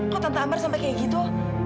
kok tante ambar sampai seperti itu